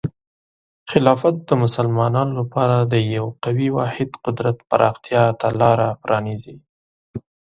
خلافت د مسلمانانو لپاره د یو قوي واحد قدرت پراختیا ته لاره پرانیزي.